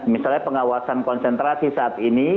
misalnya pengawasan konsentrasi saat ini